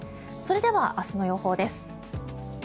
では、明日の予報です。